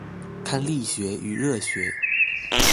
看力學與熱學